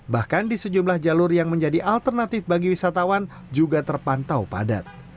bahkan di sejumlah jalur yang menjadi alternatif bagi wisatawan juga terpantau padat